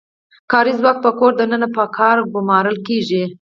کاري ځواک په کور دننه په کار ګومارل کیږي.